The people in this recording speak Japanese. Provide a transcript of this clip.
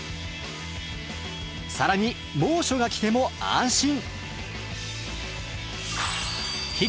更に猛暑が来ても安心！